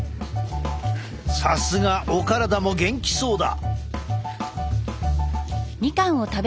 さすがお体も元気そうだ。